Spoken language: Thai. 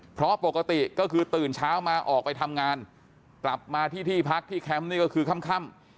เพราะปกติก็คือตื่นเช้ามาออกไปทำงานกลับมาที่ที่พักที่แคมป์นี่ก็คือค่ำ